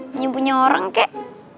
menyimpunya orang kek